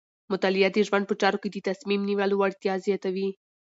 مطالعه د ژوند په چارو کې د تصمیم نیولو وړتیا زیاتوي.